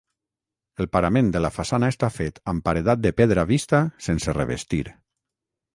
El parament de la façana està fet amb paredat de pedra vista sense revestir.